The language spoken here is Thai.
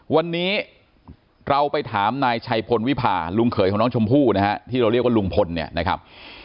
วันนี้เราไปถามนายชัยพลวิพาลุงเขยของน้องชมพู่นะฮะที่เราเรียกว่าลุงพลเนี่ยนะครับ